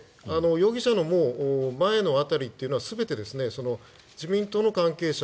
容疑者の前の辺りというのは全て自民党の関係者